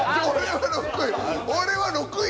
俺は６位。